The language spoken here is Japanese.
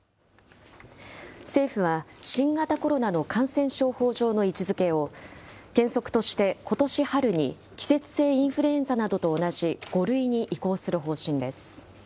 政府は新型コロナの感染症法上の位置づけを、原則としてことし春に季節性インフルエンザなどと同じ５類に移行する方針です。